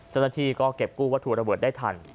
จนกระที่ก็เก็บกู้วัตถุระเบิดได้ทัน